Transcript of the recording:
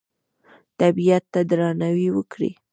طبیعت ته درناوی وکړئ